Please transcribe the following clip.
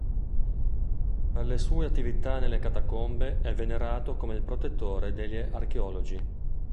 Per le sue attività nelle catacombe è venerato come il protettore degli archeologi.